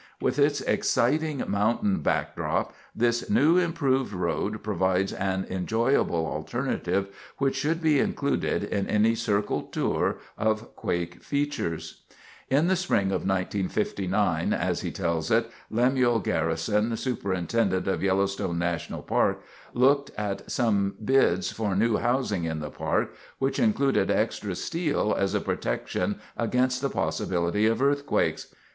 With its exciting mountain backdrop, this new, improved road provides an enjoyable alternative which should be included in any circle tour of quake features. [Illustration: Highway crews at work.] In the spring of 1959, as he tells it, Lemuel Garrison, Superintendent of Yellowstone National Park, looked at some bids for new housing in the Park which included extra steel as a protection against the possibility of earthquakes.